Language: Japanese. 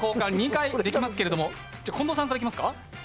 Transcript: ２回できますけど、近藤さんからいきますか？